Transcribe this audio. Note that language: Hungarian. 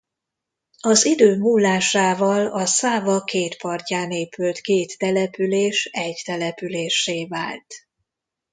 Az idő múlásával a Száva két partján épült két település egy településsé vált.